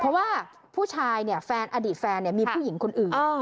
เพราะว่าผู้ชายเนี่ยแฟนอดีตแฟนมีผู้หญิงคนอื่น